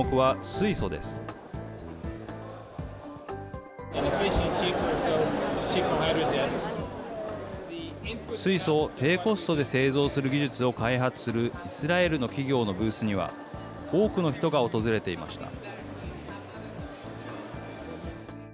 水素を低コストで製造する技術を開発するイスラエルの企業のブースには、多くの人が訪れていました。